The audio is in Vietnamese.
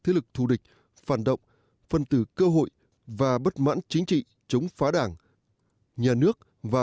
thế lực thù địch phản động phân tử cơ hội và bất mãn chính trị chống phá đảng nhà nước và